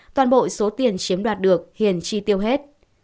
toàn bộ số tiền chiếm đoạt được hiền chi tiêu hết